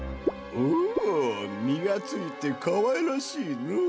お実がついてかわいらしいのう。